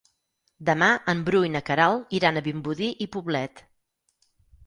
Demà en Bru i na Queralt iran a Vimbodí i Poblet.